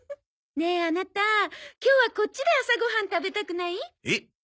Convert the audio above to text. ねえアナタ今日はこっちで朝ごはん食べたくない？え？